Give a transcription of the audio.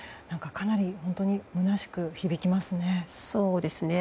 かなり本当にむなしく響きますね。